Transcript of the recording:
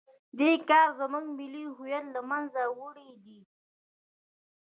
دې کار زموږ ملي هویت له منځه وړی دی.